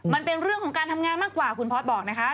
มันเป็นเรื่องของการทำงานมากกว่าคุณพอร์ตบอกนะคะ